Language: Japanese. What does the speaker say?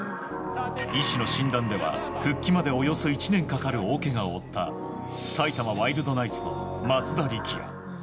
医師の診断では復帰までおよそ１年かかる大けがを負った埼玉ワイルドナイツの松田力也。